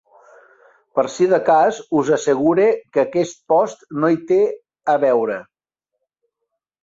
Per si de cas, us assegure que aquest post no hi té a veure.